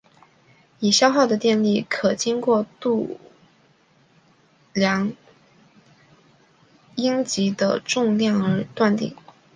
已消耗的电力可经过量度阴极的重量而断定。